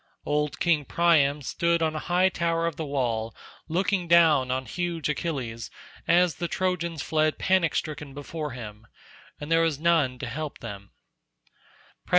Old King Priam stood on a high tower of the wall looking down on huge Achilles as the Trojans fled panic stricken before him, and there was none to help them.